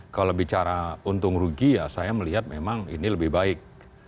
kalau bicara untung rugi ya saya melihat memang ini lebih baik